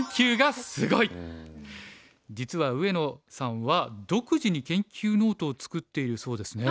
実は上野さんは独自に研究ノートを作っているそうですね。